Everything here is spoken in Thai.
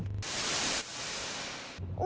วันที่๑๖นี่